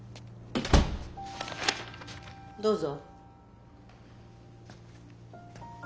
どうぞ。